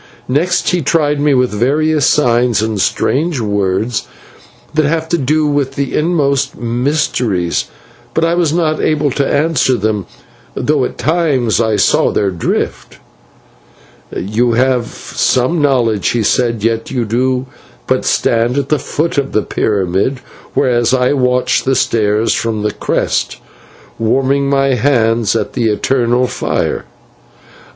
Next he tried me with various signs and strange words that have to do with the inmost mysteries, but I was not able to answer them, though at times I saw their drift. "'You have some knowledge,' he said, 'yet you do but stand at the foot of the pyramid, whereas I watch the stars from its crest, warming my hands at the eternal fire.'